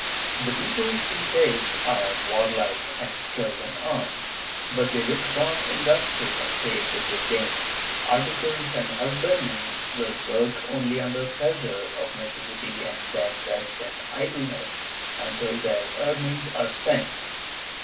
The people, he says, are warlike and skilled in arms, but they look upon industry and trade with disdain ; artisans and husbandmen will work only under pressure of neces sity and then rest in idleness until their earnings are spent.